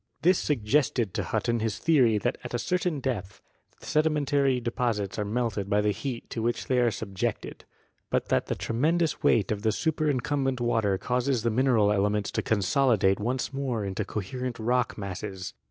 This suggested to Hutton his theory that at a certain depth the sedimentary deposits are melted by the heat to which they are subjected, but that the tremendous weight of the superincumbent water causes the mineral elements to consolidate once more into coherent rock masses.